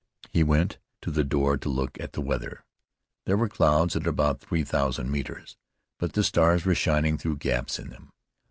He went to the door to look at the weather. There were clouds at about three thousand metres, but the stars were shining through gaps in them.